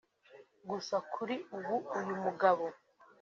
Gusa kuri ubu uyu mugabo